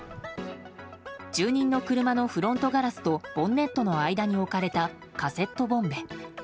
住人の車のフロントガラスとボンネットの間に置かれたカセットボンベ。